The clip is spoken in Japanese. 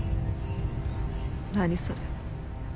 何それ。